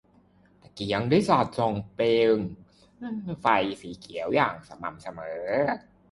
ตะเกียงได้สาดส่องเปลงไฟสีเขียวอย่างสม่ำเสมอ